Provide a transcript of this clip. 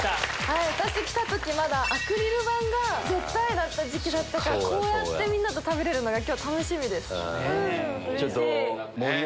私来た時まだアクリル板が絶対だったからこうやってみんなと食べれるのが今日楽しみです。